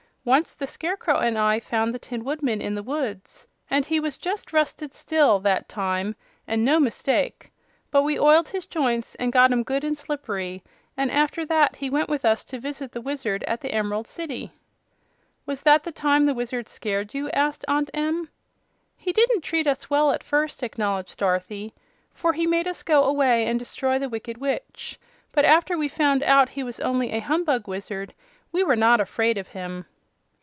"Once the Scarecrow and I found the Tin Woodman in the woods, and he was just rusted still, that time, an' no mistake. But we oiled his joints an' got 'em good and slippery, and after that he went with us to visit the Wizard at the Em'rald City." "Was that the time the Wizard scared you?" asked Aunt Em. "He didn't treat us well, at first," acknowledged Dorothy; "for he made us go away and destroy the Wicked Witch. But after we found out he was only a humbug wizard we were not afraid of him."